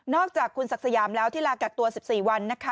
อกจากคุณศักดิ์สยามแล้วที่ลากักตัว๑๔วันนะคะ